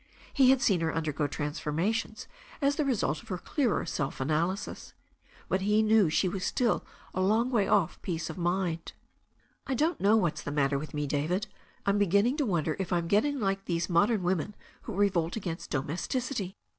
He had seen her undergo transformations as the result of her clearer self analysis. But he knew she was still a long way off peace of mind. "I don't know what's the matter with me, David. I'm beginning to wonder if I'm getting like these modern 372 THE STORY OF A NEW ZEALAND RIVER women who revolt against domesticity."